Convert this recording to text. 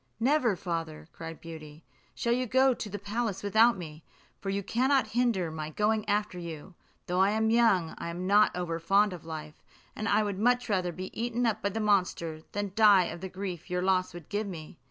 "Never, father," cried Beauty, "shall you go to the palace without me; for you cannot hinder my going after you. Though young, I am not over fond of life; and I would much rather be eaten up by the monster, than die of the grief your loss would give me."